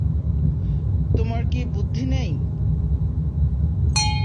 তোমার কী বুদ্ধি নেই?